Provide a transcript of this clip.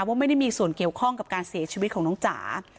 ว่าไม่ได้มีส่วนเกี่ยวข้องกับการเสียชีวิตของน้องจ๋า